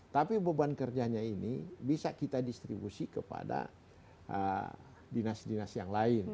tapi beban kerjanya ini bisa kita distribusi kepada dinas dinas yang lain